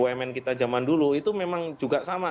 nah di sais bumn kita zaman dulu itu memang juga sama